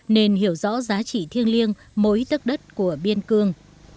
nên hiểu rõ giá trị thiêng liêng mỗi tất đất của biên cương